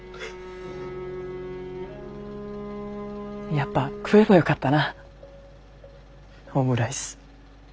やっぱ食えばよかったなオムライス。